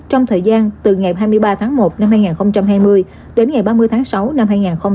trong thời gian từ ngày hai mươi ba tháng một năm hai nghìn hai mươi đến ngày ba mươi tháng sáu năm hai nghìn hai mươi